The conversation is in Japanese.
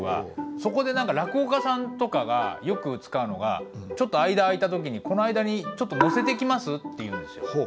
そこで落語家さんとかがよく使うのがちょっと間空いた時に「この間にちょっとのせてきます」っていうんですよ。